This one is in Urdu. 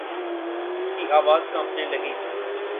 اس کی آواز کانپنے لگی۔